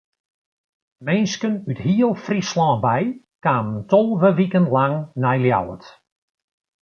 Minsken út heel Fryslân wei kamen tolve wiken lang nei Ljouwert.